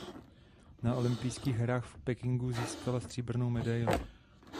Na olympijských hrách v Pekingu získala stříbrnou medaili.